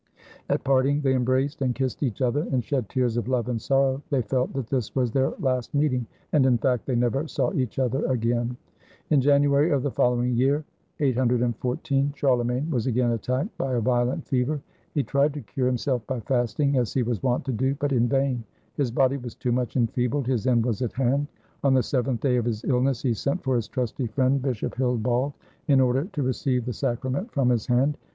At parting they embraced and kissed each other, and shed tears of love and sorrow. They felt that this was their last meeting; and, in fact, they never saw each other again. In January of the following year (814), Charlemagne was again attacked by a violent fever. He tried to cure himself by fasting, as he was wont to do ; but in vain : his body was too much enfeebled; his end was at hand. On the seventh day of his illness he sent for his trusty friend Bishop Hildbald, in order to receive the sacrament from his hand.